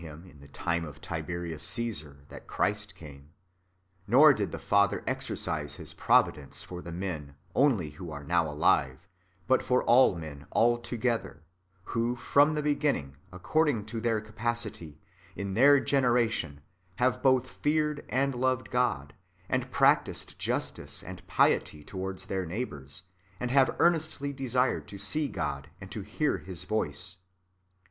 455 in the time of Tiberius Caesar that Christ came, nor did the Father exercise His providence for the men onlj who are now alive, but for all men altogether, who from the begin ning, according to their capacity, in tlieir generation have both feared and loved God, and practised justice and piety towards their neighbours, and have earnestly desired to see Christ, and to hear His voice.